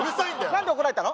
何で怒られたの？